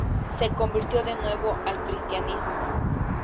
Se convirtió de nuevo al cristianismo.